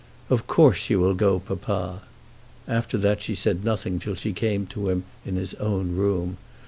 "Of course you will go, papa." After that, she said nothing till she came to him in his own room.